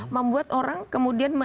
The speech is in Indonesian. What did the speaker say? membuat orang kemudian